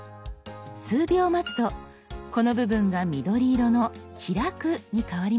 数秒待つとこの部分が緑色の「開く」に変わりますよ。